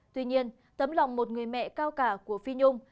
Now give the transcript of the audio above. tuy nhiên tấm lòng một người mẹ cao cả của phi nhung